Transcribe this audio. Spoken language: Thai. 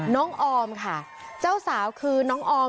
ออมค่ะเจ้าสาวคือน้องออม